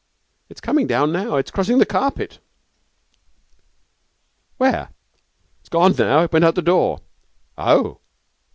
'It's come down now. It's crossing the carpet.' 'Where?' 'It's gone now. It went out of the door.' 'Oh!'